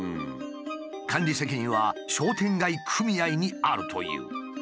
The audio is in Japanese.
管理責任は商店街組合にあるという。